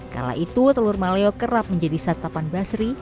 kala itu telur maleo kerap menjadi satapan basri